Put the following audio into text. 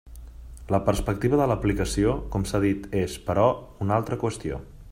La perspectiva de l'aplicació, com s'ha dit, és, però, una altra qüestió.